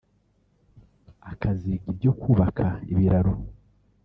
akaziga ibyo kubaka ibiraro